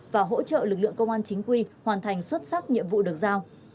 và hỗ trợ lực lượng công an chính quy hoàn thành xuất sắc nhiệm vụ được giao